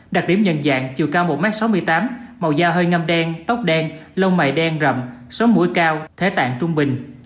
đặc điểm nhận dạng chiều cao một m sáu mươi tám màu da hơi ngâm đen tóc đen lông mày đen rậm sống mũi cao thế tạng trung bình